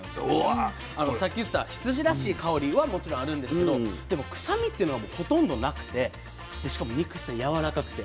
さっき言った羊らしい香りはもちろんあるんですけどでもくさみっていうのはほとんどなくてしかも肉質がやわらかくて。